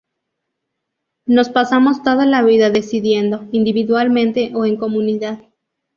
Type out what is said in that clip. Nos pasamos toda la vida decidiendo, individualmente o en comunidad.